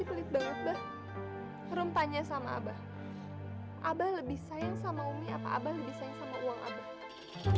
abah lebih sayang sama umi apa abah lebih sayang sama uang abah